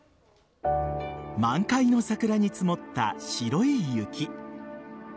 満開の桜に積もった白い雪。